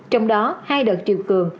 trong đó hai đợt triều cường